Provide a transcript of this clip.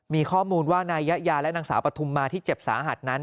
มีข้อมูลว่านายยะยาและนางสาวปฐุมมาที่เจ็บสาหัสนั้น